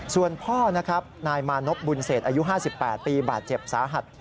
ส่วนพ่อนะครับนายมานพบุญเศษอายุ๕๘ปีบาดเจ็บสาหัส